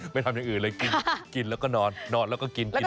ทำอย่างอื่นเลยกินแล้วก็นอนนอนแล้วก็กินกิน